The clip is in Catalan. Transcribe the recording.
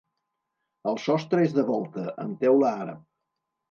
El sostre és de volta, amb teula àrab.